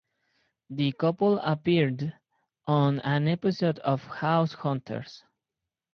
The couple appeared on an episode of "House Hunters".